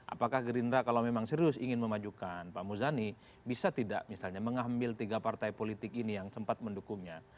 apakah gerindra kalau memang serius ingin memajukan pak muzani bisa tidak misalnya mengambil tiga partai politik ini yang sempat mendukungnya